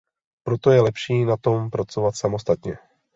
Proto je lepší na tom pracovat samostatně.